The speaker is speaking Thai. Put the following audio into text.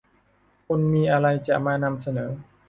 คุณมีอะไรจะมานำเสนอ